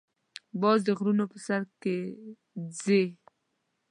باز د غرونو په سر کې ځې